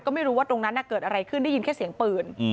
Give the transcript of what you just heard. ก็ไม่รู้ว่าตรงนั้นเกิดอะไรขึ้นได้ยินแค่เสียงปืน